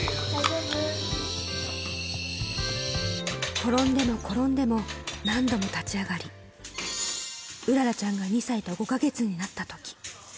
転んでも転んでも、何度も立ち上がり、麗ちゃんが２歳と５か月になったとき。